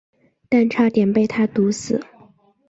但差点被他毒死。